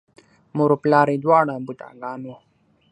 مور و پلار یې دواړه بوډاګان وو،